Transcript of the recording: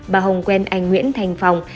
bà hồng quen anh nguyễn thành phong